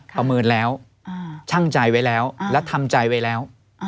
ประเมินแล้วช่างใจไว้แล้วและทำใจไว้แล้ว